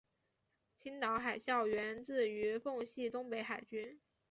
青岛海校源自于奉系东北海军。